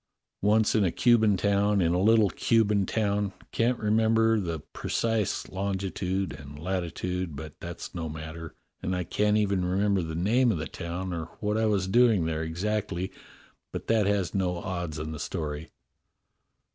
"Once in a Cuban towTi, in a little Cuban town — can't remember the precise longitude and latitude — but that's no matter, and I can't even remember the name of the town or what I was doing there exactly, but that has no odds on the story."